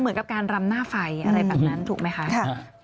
เหมือนกับการรำหน้าไฟอะไรแบบนั้นถูกไหมคะ